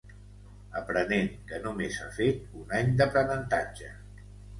Aprenent que només ha fet un any d'aprenentatge.